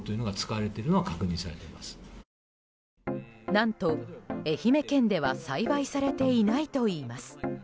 何と愛媛県では栽培されていないといいます。